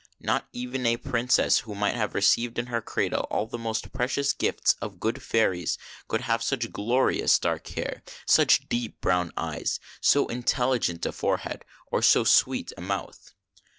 Not even a Princess who might have received in her cradle all the most precious gifts of good fairies could have such glorious dark hair, such deep brown eyes, so intelligent a forehead, or so sweet a mouth.